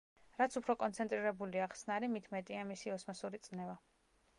რაც უფრო კონცენტრირებულია ხსნარი, მით მეტია მისი ოსმოსური წნევა.